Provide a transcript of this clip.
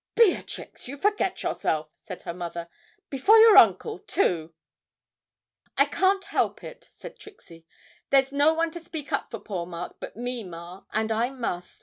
'Beatrix, you forget yourself,' said her mother; 'before your uncle, too.' 'I can't help it,' said Trixie; 'there's no one to speak up for poor Mark but me, ma, and I must.